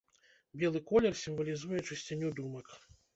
Белы колер сімвалізуе чысціню думак.